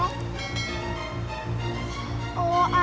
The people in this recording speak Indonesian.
lo aja berlutut demi roman gak mau